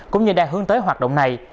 cũng như đang hướng tới hoạt động này